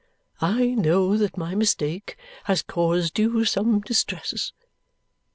I know that my mistake has caused you some distress.